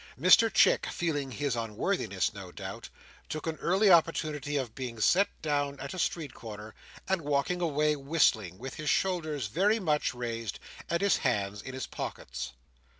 Mr Chick feeling his unworthiness no doubt, took an early opportunity of being set down at a street corner and walking away whistling, with his shoulders very much raised, and his hands in his pockets.